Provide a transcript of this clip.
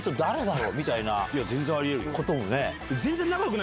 全然あり得るよ。